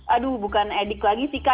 aduh bukan edik lagi sih kak